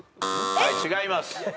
はい違います。